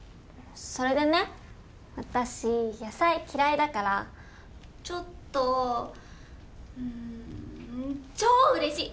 それでね私野菜嫌いだからちょっとうん超うれしい！